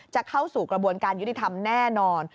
จะเข้าสู่กระบวนการยุติธรรมแน่นอน